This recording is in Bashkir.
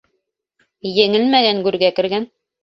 Еңәлмәгән гүргә кергән.